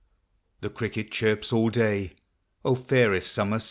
The cricket chirps all day, k () fairest summer.